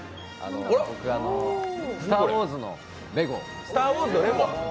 「スター・ウォーズ」のレゴです。